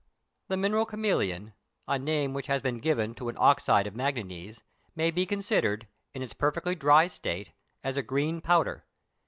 The mineral chameleon, a name which has been given to an oxyde of manganese, may be considered, in its perfectly dry state, as a green powder.